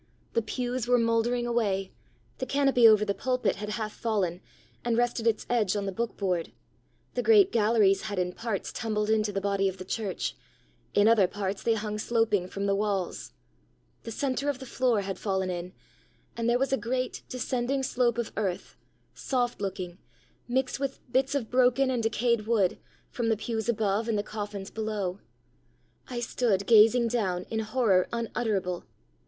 The pews were mouldering away; the canopy over the pulpit had half fallen, and rested its edge on the book board; the great galleries had in parts tumbled into the body of the church, in other parts they hung sloping from the walls. The centre of the floor had fallen in, and there was a great, descending slope of earth, soft looking, mixed with bits of broken and decayed wood, from the pews above and the coffins below. I stood gazing down in horror unutterable.